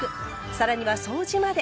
更には掃除まで。